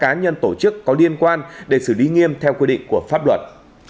các cá nhân tổ chức có liên quan để xử lý nghiêm theo quy định của pháp luật